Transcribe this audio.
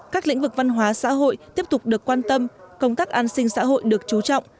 các lĩnh vực văn hóa xã hội tiếp tục được quan tâm công tác an sinh xã hội được chú trọng